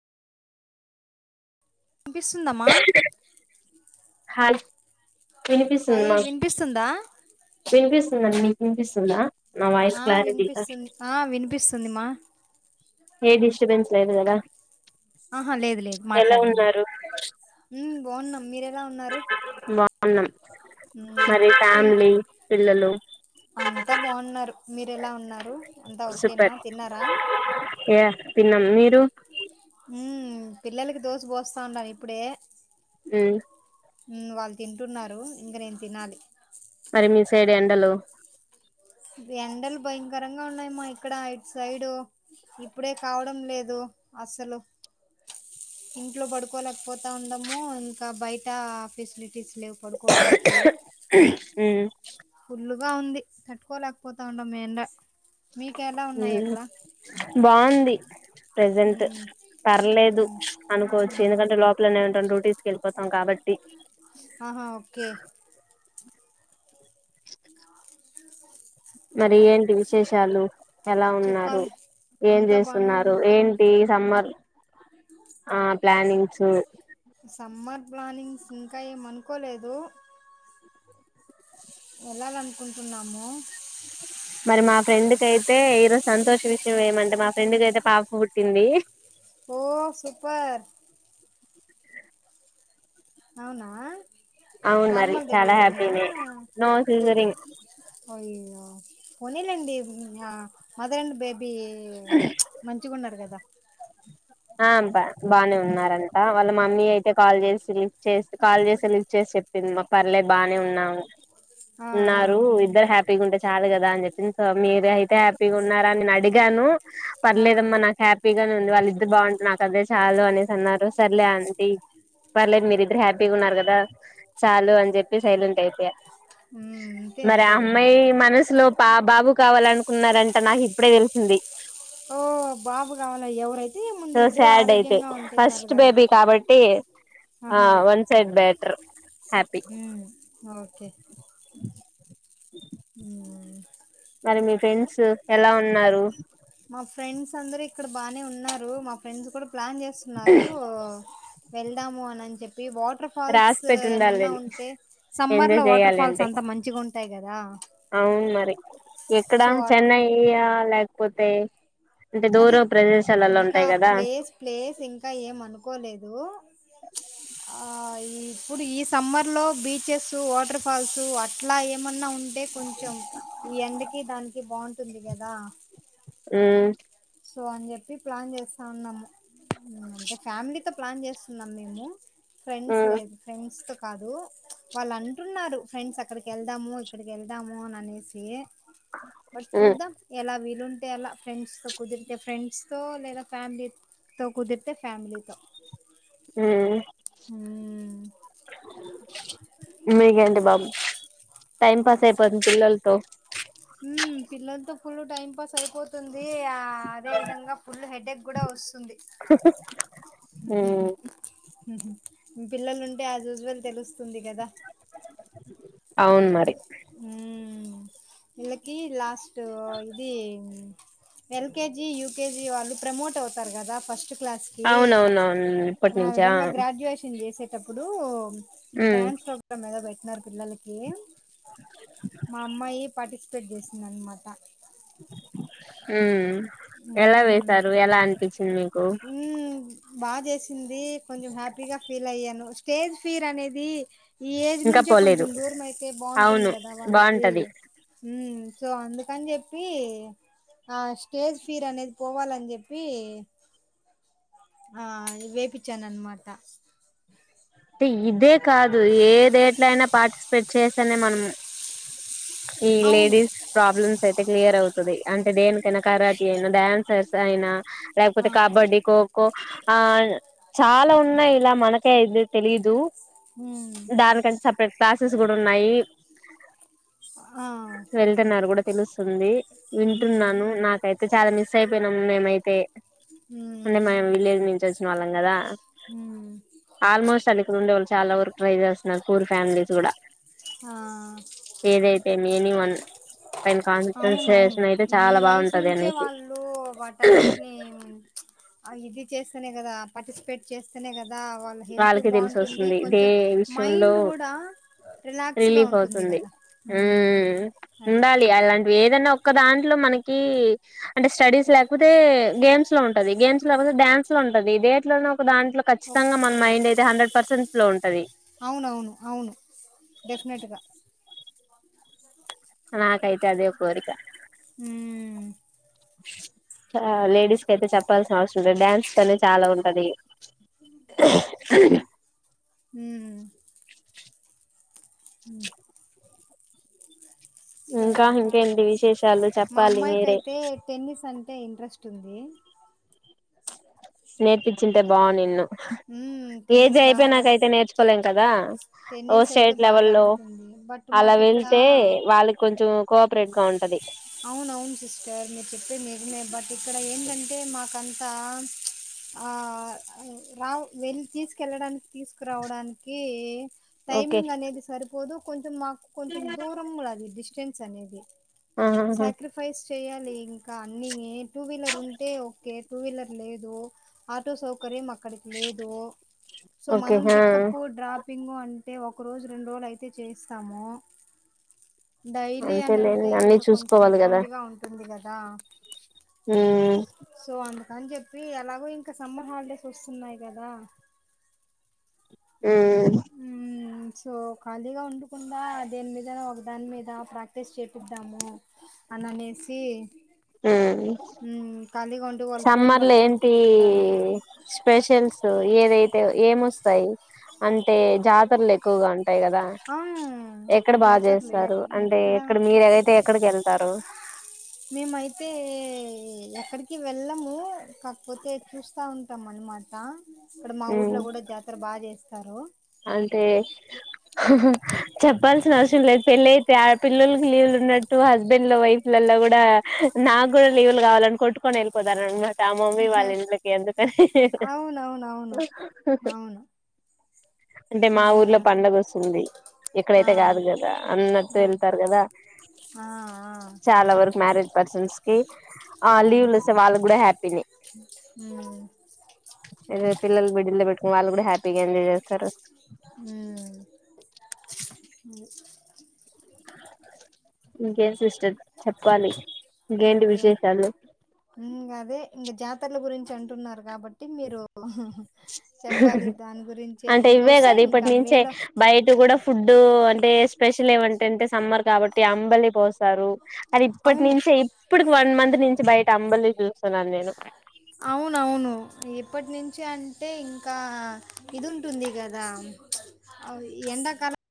వినిపిస్తుందమ్మా హల్ వినిపిస్తుంది హాయ్ మాకు వినిపిస్తుందా వినిపిస్తుందండి వినిపిస్తుందా నా వాయిస్ ఆ క్లారిటీగా వినిపిస్తుంది ఆ వినిపిస్తుంది మా ఏ డిస్టబెన్స్ లేదు కదా ఆహా లేదు లేదు ఎలా మాట్లాడండి ఉన్నారు బావున్నం మీరు ఎలా ఎలా ఉన్నారు వున్నామ్ ఉహ్మ్ ఏం పిల్లలు అంతా బాగున్నారు మీరు ఎలా ఉన్నారు అంతా ఓకేనా సూపర్ తిన్నారా యా తిన్నాం మీరు ఉహ్మ్ పిల్లలకి దోసు పోస్తా ఉంటను ఇప్పుడే ఉహ్మ్ వాళ్ళు తింటున్నారు ఇంక నేను తినాలి మరి మీ సైడ్ ఎండలు ఎండలు భయంకరంగా ఉన్నాయమ్మా ఇక్కడ ఇ సైడ్ ఇప్పుడే కావడం లేదు అసలు ఇంట్లో పడుకోలేకపోతా ఉండము ఇంకా బయట ఫెసిలిటీస్ లేవు పడుకోవడానికి ఉమ్ గా ఉంది తట్ తట్టుకోలేకపోతున్నాం ఎండ మీకు ఎలా ఉన్నాయి ఉహ్మ్ అక్కడ బాగుంది ప్రజెంట్ ఉమ్ పర్లేదు ఉమ్ అనుకోవచ్చు ఆ ఎందుకంటే లోపలనే ఏ ఉంటాం డ్యూట్ తీసుకెళ్లిపోతాం కాబట్ ఆహా ఓకే మరి ఏంటి విశేషాలు ఎలా ఉన్నారు చెప్పాలి ఏం అంతా బానే చేస్తున్నారు ఉన్నాం ఏంటి సమ్మర్ ఆ ప్లానింగ్స్ సమ్మర్ ప్లానింగ్స్ ఇంకా ఏమ్ అనుకోలేదు వెళ్ళాలనుకుంటున్నాము మరి మా ఫ్రెండ్ కయితే ఈరోజు సంతోష విషయం ఏమంటే మా ఫ్రెండ్కి అయితే పాప పుట్టింది ఓ సూపర్ అవునా అవును మరి నార్మల్ చాలా డెలివరీనా హ్యాపీనే నో సీజరిన్ అయ్యో పోనీలేండి మ్మ్ మదర్ అండ్ బేబీ బీ మంచిగా ఉన్నారు కదా ఆ బ బానే ఉన్నారన్ త వాళ్ళ మమ్మీ అయితే కాల్ చేసి లిఫ్ చేసి కాల్ చేస్తే లిఫ్ చేసి చెప్పింది మా పర్లే బానే ఉన్నాము ఆ ఆ ఉన్నారు ఇద్దరు హ్యాపీగా ఉంటే చాలా గ రాంచెప్ మీరు అయితే హ్యాపీగా ఉన్నారాని నేను అడిగాను ఆ పర్లేదమ్మా నాకు హ్యాపీగా ఉంది వాళ్ళ బాగుంటంది నాకు అదే చాలు సరలే అ పర్లేదు మీరిద్దరు హ్యాపీగా ఉన్నారు కదా చాలు అని చెప్పి సైలెంట్ అయిపోయా ఉమ్ అంతే మరి ఆ అంతేలేండి అమ్మాయి మనసులో పా బాబు కావాలనుకున్నారంట నాకు ఇప్పుడే తెలిసింది ఓ బాబు కావాల ఎవరై సో సాడ్ అయితే ఫస్ట్ కదా బేబీ కాబట్టి ఆ ఆహా వన్ సైడ్ బెటర్ హ్యాపీ ఉమ్ మ్ మరి మీ ఫ్రెండ్స్ ఎలా ఉన్నారు మా ఫ్రెండ్స్ అందరు ఇక్కడ బాగానే ఉన్నారు మా ఫ్రెండ్స్ కూడా ప్లాన్ చేస్తున్నారు వెళ్దాము అనిని చెప్పి వాటర్ ఫాల్స్ రాసి పెట్టి ఏమన్నా ఉండాలిని ఉంటే సమ్మర్ లో ఎంజాయ్ వాటర్ చేయాలి ఫాల్స్ అంటే అంతా మంచిగా ఉంటాయి కదా అవును మరి ఎక్కడ సో చెన్నై ఏయా లేకపో పోతే అది ఇంకా ప్లేస్ ప్లేస్ ఇంకా ఏం అనుకోలేదు ప్చ్ ఆ ఈ ఇప్పుడు ఈ సమ్మర్ లో బీచెస్ వాటర్ ఫాల్స్ అట్లా ఏమన్నా ఉ అంటే కొంచెం ఈ ఎండకి దానికి బాగుంటుంది కదా ఉమ్ సో అని చెప్పి ప్లాన్ చేస్తా ఉన్నాము అంటే ఫ్యామిలీ టె ప్లాన్ చేస్తున్నాం మేము ఫ్రెండ్స్ ఉమ్ లేదు ఫ్రెండ్స్ తో కాదు వాళ్ళు అంటున్నారు ఫ్రెండ్స్ అక్కడికి వెళ్దాము ఇక్కడికి వెళ్దాము అని అనేసి బట్ చూద్దాం ఎలా వి ఉంటే అలా ఫ్రండ్స్తో కుదిరితే ఫ్రెండ్స్ తో లేద ఫ్యామిలీ తో కుదిరితే ఫ్యామిలీతో హ్మ్ ఉమ్ మీకేంటి మరి టైమ్ పాస్ తది పిల్లలుతో పిల్లలతో ఫుల్ టైం పాస్ అయిపోతుంది ఆ అదే విధంగ ఫుల్ హెడ ఎక్ కూడ వస్తుంది ఉమ్ పిల్లలు ఉంటే ఎస్ వ్యూస్వాల్ తెలుస్తుంది కదా అవును మరి హ్మ్ ఇలాకి లాస్ ట్టు ఇది ఎల్కెజి యకెజి వాళ్ళు ప్రమోట్ అవుతారు కదా ఫస్ట్ కలా క అవునవునవును ఇప్పటి నుంచా విధంగా గ్రాడ్యుయేషన్ చే ఎప్పుడు ఉమ్ డాన్స్ ప్రోగ్రామ్ బ చిల్లర పిల్లలకి మా అమ్మాయి పార్టిసిపేట్ చేస్తుందనమాట మ్ ఎలా వేశారు ఎలా అనిపించింది మీకు బా చేసి ఇది కొంచెం హ్యాపీగా ఫీల్ అయ్యాను స్టేజ్ ఫీర్ అనేది ఈ ఏజ్ ఇంకా నుంచే పోలేదు కొంచెం దూరం అయితే బాగుంటుంది అవును కదా వాళ్ళకి బాగుంటది హ సో అందుకని చెప్పి ఆశ్ స్టేజ్ ఫీర్ అనేది పోవాలని చెప్పి, ఆ వేపిచ్చాను అన్మాట. టే ఇదే కాదు ఏదేట్లో అయినా పాటిస్ పెట్ చేస్తనే మనము ఈ అవును లేడీస్ ప్రాబ్లమ్స్ యితే క్లియర్ అవుతు అంటే దేనికైనా కరాటీ అయినా, డాన్సర్స్ అయినా లేకపోతే ఆ కబడ్డీ, ఖోఖో ఆ చాలా ఉన్నాయ్ ఇలా మనకే అయెద్ది తెలీదు ఉమ్, దానికని చెప్ ఇక్కడ క్లాసెస్ కూడు ఉన్నాయి ఆ వెళ్తున్నారు కూడా తెలుస్తుంది హ్మ్ వింటున్నాను నాకై చాలా మిస్సైపోయినమ్ మేమైతే అంటే మేము విలేజ్ నుంచి వచ్చిన వాళ్ళం కదా హ్మ్ ఆల్మోస్ట్ ఇక్కడ ఉండే వాళ్ళు చాలా వరకు ట్రై చేస్తున్నారు పూర్ ఫ్యామిలీస్ కూడా ఆ ఏదైతే నేను వన్న అవునవును ఈ వయసు బాగుంటది నుంచే అనేసి వాళ్ళు వాటన్నిటిని ఇది చేస్తేనే కదా పార్టిసిపేట్ చేస్తేనే కదా కదా వాళ్ళ హెల్త్ వాళ్ళకి తెలిసి బాగుంటుంది వస్తుంది దే కొంచెం విషయంలో మైండ్ కూడా రిలాక్స్గా రిలీఫ్ ఉంటుంది అవుతుంది కదా అది ఏదన్నా ఒక్క దాంట్లో మనకి అంటే స్టడీస్ లేకపోతే గేమ్స్ లో ఉంటది గేమ్స్ లేకపోతే డ్యాన్స్ లో ఉంటది దేంట్లోను దాంట్లో ఓ- ఖచ్చితంగా అయి హండ్రెడ్ పర్సెంట్ లో ఉంటంది అవునవును అవును డెఫినెట్గా నాకైతే అదే కోరిక హ్మ్ లేడీస్ క అయితే చెప్పల్సినవసరం డ్యాన్స్ అనే చాలా ఉంటది అ సో ఇంకా ఇంకేంటి విశేషాలు మా చెప్పాలి మీరే అమ్మాయికియితే టెన్నిస్ అంటే ఇంట్రెస్ట్ ఉంటుంది నేర్పించింటీ బావునిన్ను హ్మ్ ఏజ్ టెన్నిస్ బాగా అయిపోనాకైతే నేర్చుకోలేం కదా ఓ టెన్నిస్ అయితే స్టేట్ బాగా లెవెల్లో ఆడుతుంది బట్ అలా మాకు ఇక్కడ వెళ్తే వాళ్ళకి కొంచెం కో ప్లేగ్రౌండ్ అవున అవును సిస్టర్ మీరు చెప్పేది నిజమే బట్ ఇక్కడ ఏంటంటి అంటే మాకంతా ఆ రా వెళ్ళి తీసుకెళ్ళడానికి తీసుకురావడానికి ఓకే టైమింగ్ అనేది సరిపోదు కొంచెం మా కొంచెం దూరం కూడా డిస్టెన్స్ అనేది ఆహా సక్రిఫైస్ చెయాలి ఇంకా అన్ని టూ వీలర్ ఉంటే ఓకే టూ వీలర్ లేదు ఆటో సౌకర్యం అక్కడికి లేదు సో ఓకే మనం ఆ పికప్ డ్రాపింగ్ అ అంటే ఒక రోజు రెండు రోజులు అయితే చేస్తాము అంతేలేండి అన్నీ చూసు మ్మ్ ఇబ్బందిగా ఉంటుం ది గదా హుం అని చెప్పి ఎలాగో ఇంకా సమ్మర్ హాలిడేస్ వస్సున్నాయి గదా మ్మ్ హ్మ్ మ్మ్ సో ఖాళీగా ఉండకుండా దేని మీదో ఒక దాని మీద ప్రాక్టీస్ చేపిద్దాము అని అనేసి. ఉమ్ హ్మ్ ఖాళీగా ఉం సమ్మర్ లో ఏంటి స్పెషల్స్ ఏదైతే ఏం వొస్తాయి అంటే జాతరలు ఎక్కువగా ఉంటాయి కదా అ ఎక్కడ బాగా జాతర్లు ఎ చేస్తారు అంటే ఎక్కడ మీరయితే ఎక్కడికి వెళ్తారు మేమైతే ఎక్కడి ఈ వెళ్ళము కాకపోతే చూస్తా ఉం ట మనమాట ఇక్కడ మా ఊర్లో ఉమ్ కూడా జాతర బా చేస్ టారో అంటే హా హా చెప్పల్సిన అవసరం లేదు పెళ్లయితే ఆ పిల్లలకి లీవలున్నట్టు హస్బండ్ లో వైఫ్లలా కూడా నాకు కూడా లీవులు కావాలని కొట్టుకొని వఎల్ పోతరన మట త మమ్మీ వాళ్ళిలకి ఎందుకు అవునవునవును హ్ అవును అంటే మా ఆ ఊర్లో పండగ వస్తుంది ఆ ఎక్కడైతే కాదు కదా అన్నట్తో ఆ వెళ్తారు కదా ఆ ఆ చాలా వరకు మ్యారేజ్ పర్సన్స్ కి ఆ అవును లీవ్లు వస్తే వాళ్ళకి కూడా హ్యాపీని మ్మ్ పిల్లలు బిడ్డిలు పెట్టుకు వాళ్ళు కూడా హ్యాపీగా ఎంజయ్ చెస్ తరు మ్మ్ ఇంకేం సిస్టర్ చెప్పలి ఇంకేం ఇంగ అదే ఇంగ జాతర్ల గురిం చాన్టున్నారు కాబట్టి మీరు ఉహ్ ఉహ్ హా హా అంటే ఇంక ఇవే కదా వస్తాయి ఇప్పటి ఇంకా నుంచే మేలో బయట కూడా ఫుడ్డు అంటే స్పెషల్ ఏమంటేంటే సమ్మర్ కాబట్టి అంబలి పోస్తారు అది ఇప్పటి అవును నుంచే ఇ ఇప్పుడుకి వన్ మంత్ నుంచి బయట అంబలి చూస్తున్నాను నేను ఇప్పటి నుంచి అంటే ఇంకా ఇది ఉంటుంది కదా ప్చ్ ఎండాకాలం